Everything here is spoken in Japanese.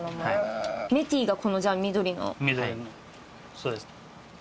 そうです。